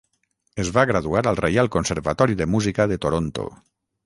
Es va graduar al Reial Conservatori de Música de Toronto.